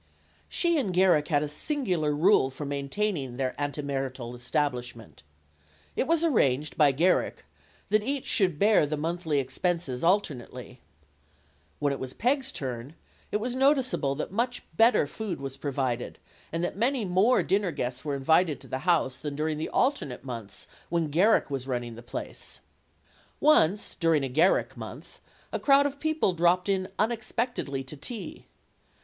She and Garrick had a singular rule for maintaining their antemarital establishment. It was arranged by Garrick that each should bear the monthly expenses alternately. When it was Peg's turn, it was noticeable that much better food was provided and that many more dinner guests were invited to the house than during the alternate months when Garrick was run ning the place. Once, during a Garrick month, a crowd of people dropped in unexpectedly to tea.